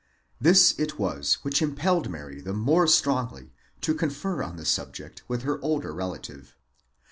This it was which impelled Mary the more strongly to con fer on the subject with her older relative.